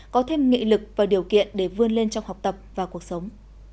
có thêm nghị lực và điều kiện để vươn lên trong học tập và cuộc sống